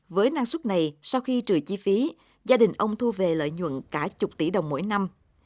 với năng suất này sau khi trừ chi phí gia đình ông thu về lợi nhuận cả chục tỷ đồng mỗi năm